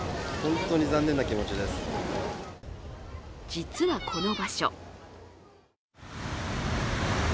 実はこの場所